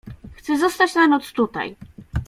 Chce zostać na noc tutaj.